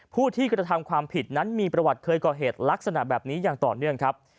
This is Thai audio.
ผู้ที่กระทำความผิดนั้นมีประวัติเคยก่อเหตุลักษณะแบบนี้อย่างต่อเนื่องครับ